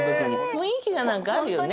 雰囲気がなんかあるよね。